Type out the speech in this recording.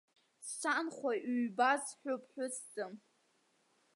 Санхәа ҩба зҳәо ԥҳәысӡам.